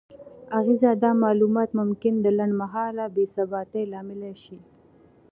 اغیزه: دا معلومات ممکن د لنډمهاله بې ثباتۍ لامل شي؛